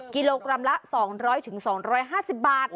กิโลกรัมละ๒๐๐๒๕๐บาท